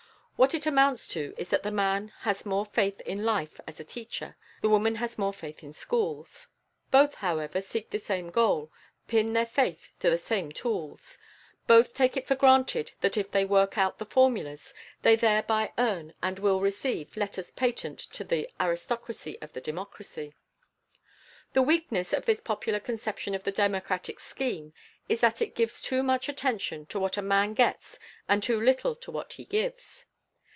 What it amounts to is that the man has more faith in life as a teacher, the woman more faith in schools. Both, however, seek the same goal, pin their faith to the same tools. Both take it for granted that if they work out the formulas, they thereby earn and will receive letters patent to the aristocracy of the democracy! The weakness of this popular conception of the democratic scheme is that it gives too much attention to what a man gets and too little to what he gives.